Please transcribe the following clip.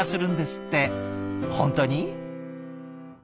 本当に？